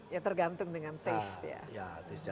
ya tergantung dengan taste ya